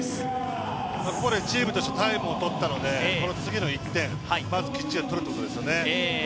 ここでチームとしてタイムを取ったのでこの次の１点、まずきっちり取るということですよね。